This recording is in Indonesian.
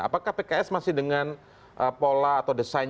apakah pks masih dengan pola atau desain